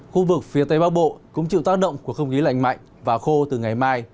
khu vực phía tây bắc bộ cũng chịu tác động của không khí lạnh mạnh và khô từ ngày mai